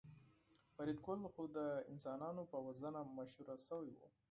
فریدګل خو د انسانانو په وژنه مشهور شوی و